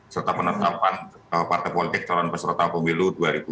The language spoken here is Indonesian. serta penetapan partai politik calon peserta pemilu dua ribu dua puluh